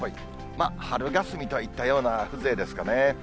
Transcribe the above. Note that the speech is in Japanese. まあ、春霞といったような風情ですかね。